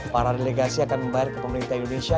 para delegasi akan membayar ke pemerintah indonesia